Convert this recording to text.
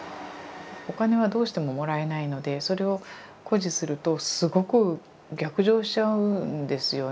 お金はどうしてももらえないのでそれを固辞するとすごく逆上しちゃうんですよね。